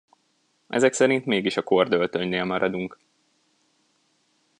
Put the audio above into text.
Ezek szerint mégis a kordöltönynél maradunk.